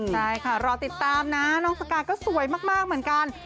ใช่ค่ะรอติดตามนะน้องสกาก็สวยมากเหมือนกัน